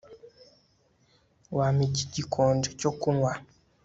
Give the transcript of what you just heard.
Wampa ikintu gikonje cyo kunywa